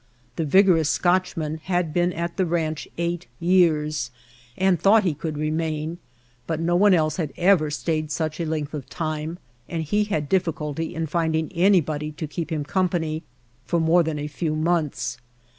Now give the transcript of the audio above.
The vigorous Scotch man had been at the ranch eight years and thought he could remain, but no one else had ever stayed such a length of time, and he had difficulty in finding anybody to keep him com pany for more than a few months.